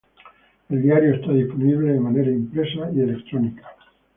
El diario está disponible de manera impresa y electrónica.